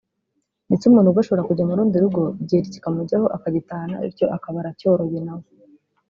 ndetse umuntu ubwe ashobora kujya mu rundi rugo igiheri kikamujyaho akagitahana bityo akaba aracyoroye na we